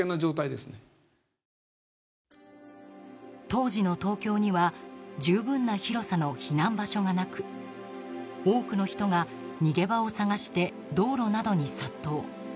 当時の東京には十分な広さの避難場所がなく多くの人が逃げ場を探して道路などに殺到。